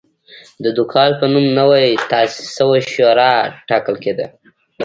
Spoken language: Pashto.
د دوکال په نوم نوې تاسیس شوې شورا ټاکل کېده